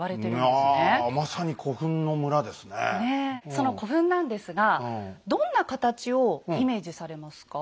その古墳なんですがどんな形をイメージされますか？